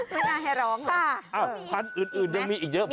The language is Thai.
ไม่ได้ให้ร้องเขา